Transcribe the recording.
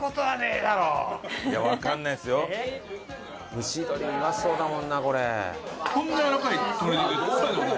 蒸し鶏うまそうだもんなこれ。